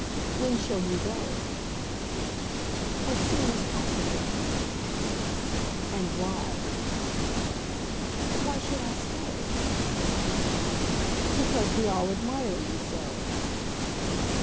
"When shall you go?" "As soon as possible." "And why?" "Why should I stay?" "Because we all admire you so."